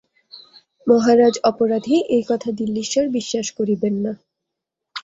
মহারাজ অপরাধী এ কথা দিল্লীশ্বর বিশ্বাস করিবেন না।